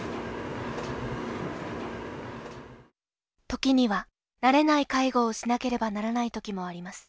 時には慣れない介護をしなければならない時もあります